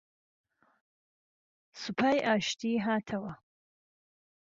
سوپای ئاشتی هاتەوە